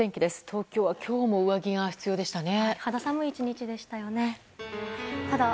東京は今日も上着が必要でしたね。